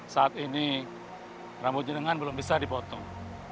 saat ini rambut jenengan belum bisa dipotong